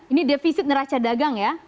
ini defisit neraca dagang ya